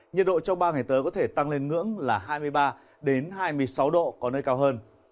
nhiệt độ trong ba ngày tới có thể tăng lên ngưỡng là hai mươi ba hai mươi sáu độ có nơi cao hơn